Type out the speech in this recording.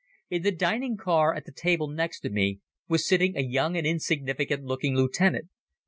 In the dining car, at the table next to me, was sitting a young and insignificant looking lieutenant.